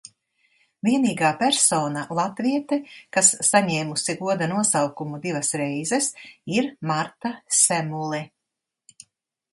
Vienīgā persona, latviete, kas saņēmusi goda nosaukumu divas reizes, ir Marta Semule.